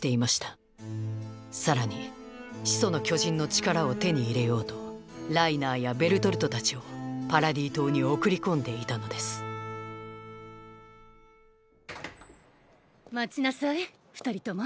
さらに「始祖の巨人の力」を手に入れようとライナーやベルトルトたちをパラディ島に送り込んでいたのです待ちなさい二人とも。